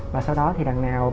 và sau đó thì đằng nào